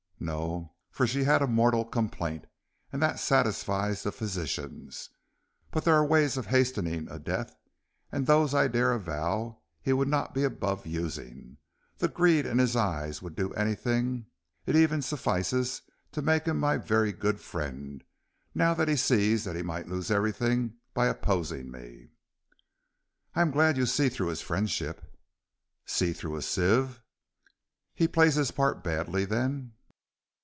"No, for she had a mortal complaint, and that satisfies the physicians. But there are ways of hastening a death, and those I dare avow he would not be above using. The greed in his eyes would do anything; it even suffices to make him my very good friend, now that he sees that he might lose everything by opposing me." "I am glad you see through his friendship." "See through a sieve?" "He plays his part badly, then?"